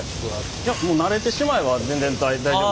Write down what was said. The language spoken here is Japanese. いやもう慣れてしまえば全然大丈夫。